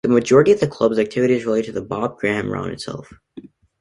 The majority of the club's activity is related to the Bob Graham Round itself.